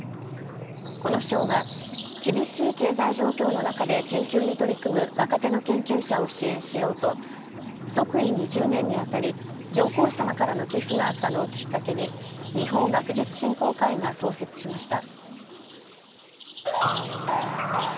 この賞は厳しい経済状況の中で研究に取り組む若手の研究者を支援しようと即位２０年にあたり上皇さまからの寄付があったのをきっかけに日本学術振興会が創設しました。